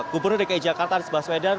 gubernur dki jakarta nisbah suedan